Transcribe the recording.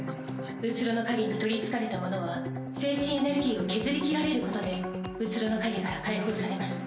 虚の影に取りつかれた者は精神エネルギーを削りきられることで虚の影から解放されます。